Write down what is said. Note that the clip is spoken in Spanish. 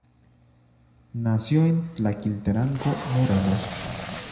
Nació en Tlaquiltenango, Morelos.